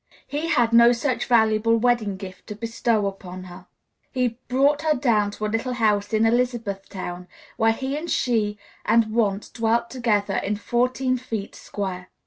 He had no such valuable wedding gift to bestow upon her; he brought her to a little house in Elizabethtown, where he and she and want dwelt together in fourteen feet square.